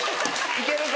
いけるか？